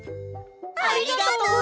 ありがとう！